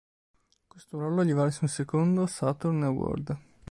Questo ruolo gli valse un secondo Saturn Award.